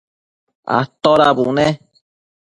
atoda bune?